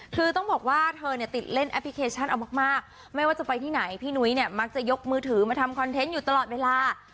คือต้องบอกว่าเธอเนี่ยติดเล่นแอปพลิเคชันเอามากไม่ว่าจะไปที่ไหนพี่นุ้ยเนี่ยมักจะยกมือถือมาทำคอนเทนต์อยู่ตลอดเวลา